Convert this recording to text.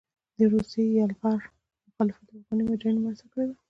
د روسي يلغار مخالفت او افغاني مجاهدينو مرسته کړې وه